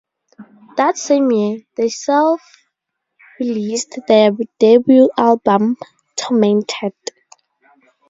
That same year, they self-released their debut album Tormented.